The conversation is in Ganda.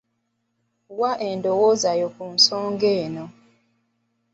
Wa endowooza yo ku nsonga eno.